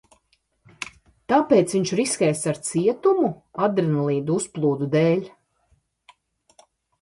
Tāpēc viņš riskēs ar cietumu adrenalīna uzplūdu dēļ?